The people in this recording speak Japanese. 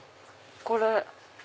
これ。